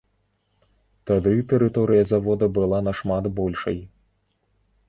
Тады тэрыторыя завода была нашмат большай.